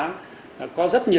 có rất nhiều các đơn vị tham gia